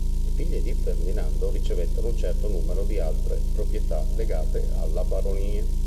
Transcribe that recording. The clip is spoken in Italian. Le figlie di Ferdinando ricevettero un certo numero di altre proprietà legate alla baronie.